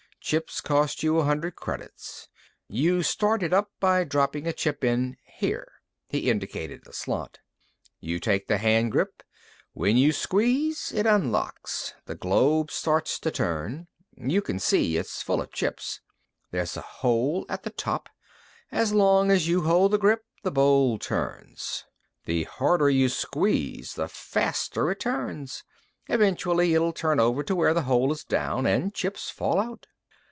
Chips cost you a hundred credits. You start it up by dropping a chip in here." He indicated a slot. "You take the hand grip. When you squeeze, it unlocks. The globe starts to turn. You can see, it's full of chips. There's a hole at the top. As long as you hold the grip, the bowl turns. The harder you squeeze, the faster it turns. Eventually it'll turn over to where the hole is down, and chips fall out.